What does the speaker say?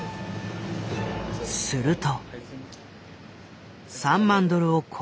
すると。